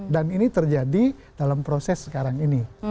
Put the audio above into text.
dan ini terjadi dalam proses sekarang ini